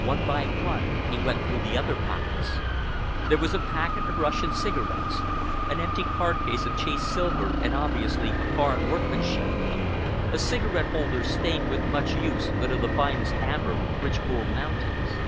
One by one he went through the other pockets. There was a packet of Russian cigarettes; an empty card case of chased silver, and obviously of foreign workmanship; a cigarette holder stained with much use, but of the finest amber, with rich gold mountings.